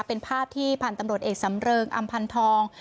เป็นภาพที่พันธุ์ตำรวจเอกสำเริงอำพันธอง